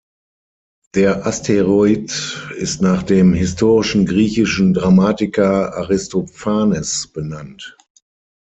Der Asteroid ist nach dem historischen griechischen Dramatiker Aristophanes benannt.